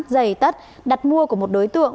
dày tắt đặt mua của một đối tượng